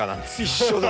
一緒だ！